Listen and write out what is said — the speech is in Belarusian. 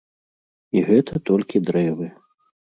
І гэта толькі дрэвы.